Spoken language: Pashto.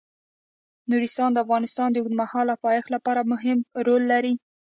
نورستان د افغانستان د اوږدمهاله پایښت لپاره مهم رول لري.